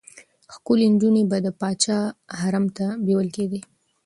ښکلې نجونې به د پاچا حرم ته بېول کېدې.